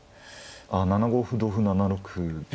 あ７五歩同歩７六歩。